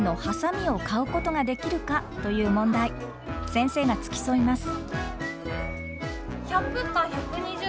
先生が付き添います。